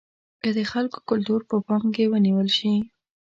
که د خلکو کلتور په پام کې ونیول شي.